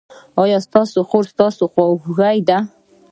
ایا ستاسو خور ستاسو خواخوږې ده؟